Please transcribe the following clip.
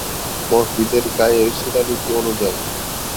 মসজিদের গায়ের শিলালিপি অনুযায়ী।